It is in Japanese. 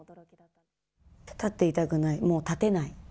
立っていたくない、もう立てない。